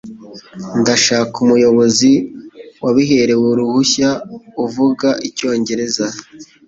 Ndashaka umuyobozi wabiherewe uruhushya uvuga icyongereza.